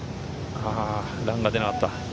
ランが出なかった。